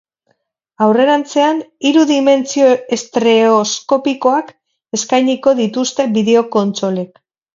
Aurrerantzean hiru dimentsio estreoskopikoak eskainiko dituzte bideo-kontsolek.